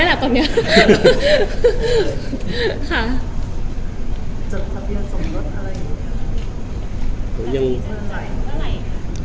ไม่สไฟล์นั่นแหละกว่าเนี้ย